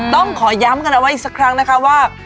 ต้องขอย้ำกันเอาไว้อีกสักครั้งนะคะว่า